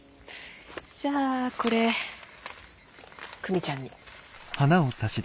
じゃあこれ久美ちゃんに。